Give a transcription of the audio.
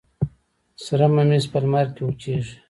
سر ممیز په لمر کې وچیږي.